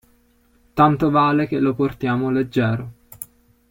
Tanto vale che lo portiamo leggero.